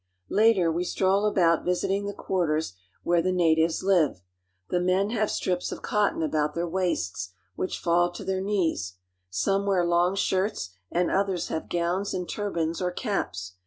Later, we stroll about visiting the quarters where the natives live. The men have strips of ■■ Some wear long shlrls ..." cotton about their waists which fall to their knees. Some wear long shirts and others have gowns and turbans or caps.